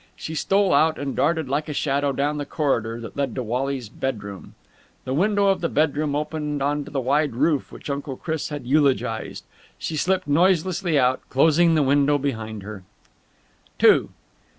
She stole out and darted like a shadow down the corridor that led to Wally's bedroom. The window of the bedroom opened on to the wide roof which Uncle Chris had eulogized. She slipped noiselessly out, closing the window behind her.